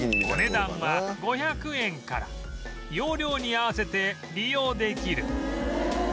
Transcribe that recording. お値段は５００円から容量に合わせて利用できる